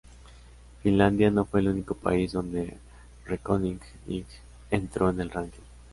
Finlandia no fue el único país donde Reckoning Night entró en el ranking.